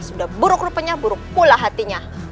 sudah buruk rupanya buruk pula hatinya